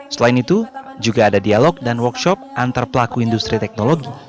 selain itu juga ada dialog dan workshop antar pelaku industri teknologi